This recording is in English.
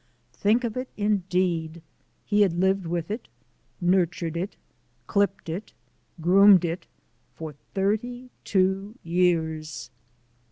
Think of it, indeed! He had lived with it, nurtured it, clipped it, groomed it for thirty two years.